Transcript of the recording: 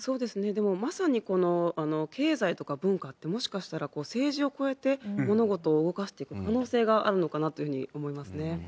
でもまさにこの経済とか文化って、もしかしたら政治を越えて、物事を動かしていく可能性があるのかなというふうに思いますね。